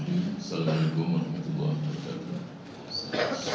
assalamualaikum warahmatullahi wabarakatuh